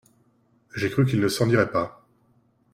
J’ai cru qu’il ne s’en irait pas.